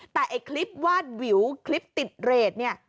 แต่ไอ้คลิปวาดวิวคลิปติดเรทเนี่ย